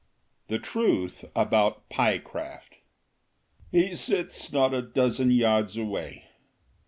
THE TRUTH ABOUT PYECRAFT He sits not a dozen yards away.